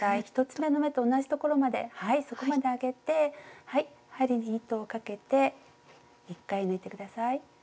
１つめの目と同じところまではいそこまで上げて針に糸をかけて１回抜いて下さい。